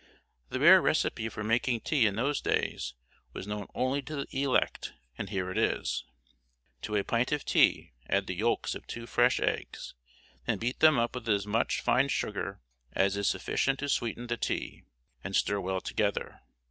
The rare recipe for making tea in those days was known only to the elect, and here it is: "To a pint of tea, add the yolks of two fresh eggs; then beat them up with as much fine sugar as is sufficient to sweeten the tea, and stir well together.